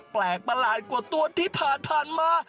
แปลกประหลาดกว่าตัวที่ผ่านมา